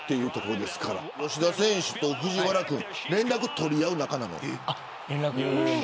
吉田選手と藤原君連絡を取り合う仲なの。